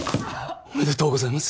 おめでとうございます！